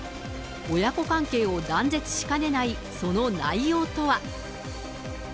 親子関係を断絶しかねないその内容とは。